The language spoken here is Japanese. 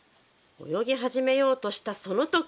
泳ぎ始めようとしたその時。